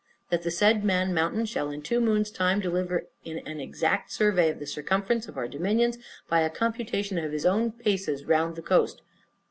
That the said Man Mountain shall, in two moons' time, deliver in an exact survey of the circumference of our dominions, by a computation of his own paces round the coast.